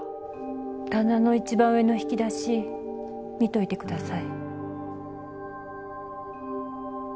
棚の一番上の引き出し見といてください。